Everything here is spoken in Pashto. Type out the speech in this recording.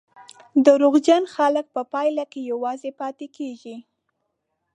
دروغجن خلک په پای کې یوازې پاتې کېږي.